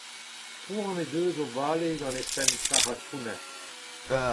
Poan he deus o vale gant he femp sac’had pounner.